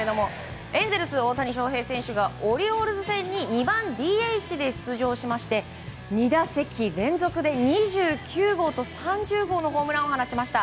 エンゼルス、大谷翔平選手がオリオールズ戦に２番ＤＨで出場しまして２打席連続で２９号と３０号のホームランを放ちました。